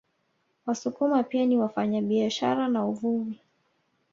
Wasukuma pia ni wafanyabiashara na uvuvi